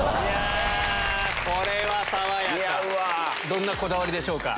どんなこだわりでしょうか？